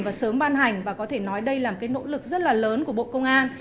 và sớm ban hành và có thể nói đây là một cái nỗ lực rất là lớn của bộ công an